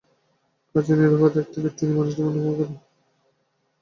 কাজেই নিরুপদ্রবে একটি বৃত্তি নিয়েই মানুষ জীবন-ধারণ করে।